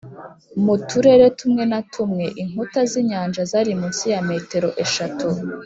mu turere tumwe na tumwe, inkuta z'inyanja zari munsi ya metero eshatu.